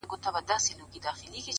د يوسفي ښکلا چيرمنې نوره مه راگوره ـ